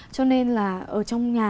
cho nên là ở trong nhà